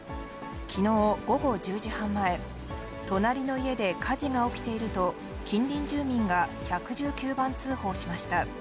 きのう午後１０時半前、隣の家で火事が起きていると、近隣住民が１１９番通報しました。